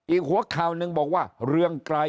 อีกหัวข่าวหนึ่งบอกว่าเรืองไกร